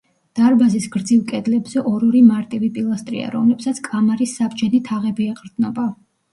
დარბაზის გრძივ კედლებზე ორ-ორი მარტივი პილასტრია, რომლებსაც კამარის საბჯენი თაღები ეყრდნობა.